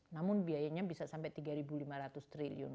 namun biayanya bisa sampai rp tiga lima ratus triliun